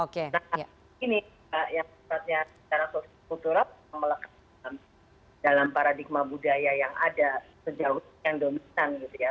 nah ini yang sebetulnya secara sosial kulturat melekatkan dalam paradigma budaya yang ada sejauh yang dominan